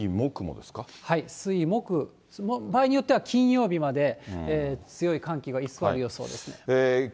水、木、場合によっては金曜日まで、強い寒気が居座る予想ですね。